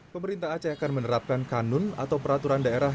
pemerintah aceh akan menerapkan kanun atau peraturan daerah